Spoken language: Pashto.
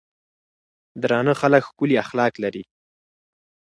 درانۀ خلک ښکلي اخلاق لري.